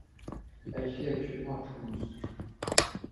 Elle vit actuellement à Toulouse.